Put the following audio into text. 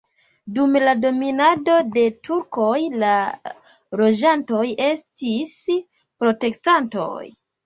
Dum dominado de turkoj la loĝantoj estis protestantoj.